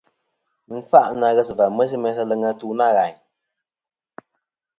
Mɨ n-kfâʼ na ghes va mesi meyn sa aleŋ atu nâ ghàyn.